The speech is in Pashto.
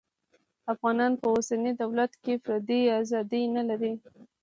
افغانان په اوسني دولت کې فردي ازادي نلري